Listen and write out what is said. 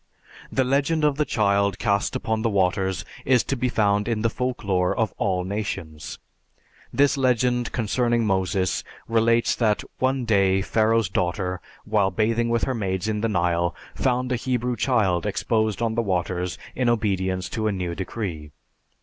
The legend of the child cast upon the waters is to be found in the folklore of all nations. This legend, concerning Moses, relates that one day Pharaoh's daughter, while bathing with her maids in the Nile, found a Hebrew child exposed on the waters in obedience to a new decree.